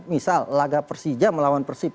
misal laga persija melawan persib